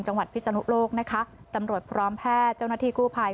พิศนุโลกนะคะตำรวจพร้อมแพทย์เจ้าหน้าที่กู้ภัย